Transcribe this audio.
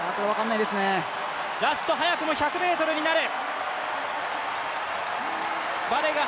ラスト早くも１００ｍになる。